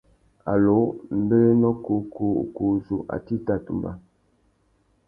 Allô ; mbérénô kǔkú ukú uzu, atê i tà tumba ?